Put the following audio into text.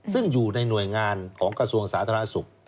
ซึ่งอยู่ในหน่วยงานของกระทรวงสาธารณสุข